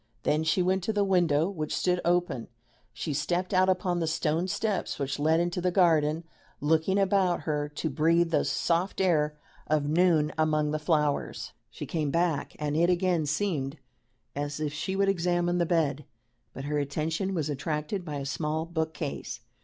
Then she went to the window, which stood open; she stepped out upon the stone steps which led into the garden, looking about her, to breathe the soft air of noon among the flowers. She came back, and it again seemed as if she would examine the bed, but her attention was attracted by a small book case.